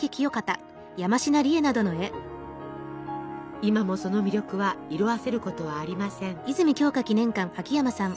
今もその魅力は色あせることはありません。